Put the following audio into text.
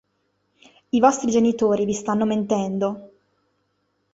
I vostri genitori vi stanno mentendo.